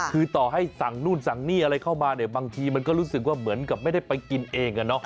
คือต่อให้สั่งนู่นสั่งนี่อะไรเข้ามาเนี่ยบางทีมันก็รู้สึกว่าเหมือนกับไม่ได้ไปกินเอง